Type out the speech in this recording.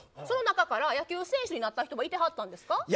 その中から野球選手になった人もいてはったんですか？